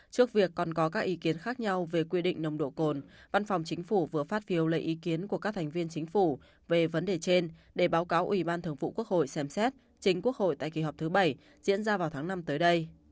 trước việc còn có các ý kiến khác nhau về quy định nồng độ cồn văn phòng chính phủ vừa phát phiêu lấy ý kiến của các thành viên chính phủ về vấn đề trên để báo cáo ủy ban thường vụ quốc hội xem xét chính quốc hội tại kỳ họp thứ bảy diễn ra vào tháng năm tới đây